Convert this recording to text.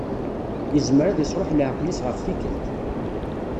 Yezmer ad isruḥ leɛqel-is ɣef tikkelt.